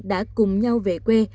đã cùng nhau về quê